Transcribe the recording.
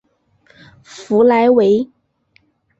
弗莱维。